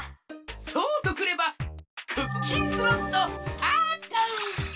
そうとくればクッキンスロットスタート！